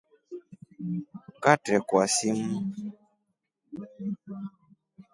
Ngatrekwa simu.